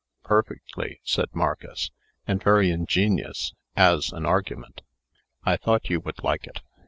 "Perfectly," said Marcus; "and very ingenious, as an argument." "I thought you would like it.